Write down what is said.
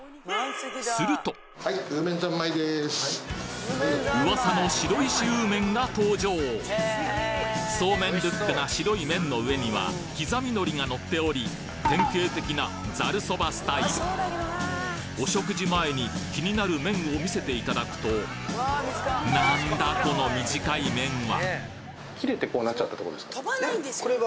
すると噂の白石温麺が登場そうめんルックな白い麺の上には刻みのりがのっており典型的なざる蕎麦スタイルお食事前に気になる麺を見せていただくとなんだこの短い麺は！